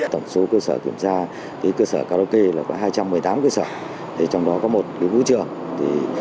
tổng số cơ sở kiểm tra cơ sở karaoke là có hai trăm một mươi tám cơ sở trong đó có một vũ trường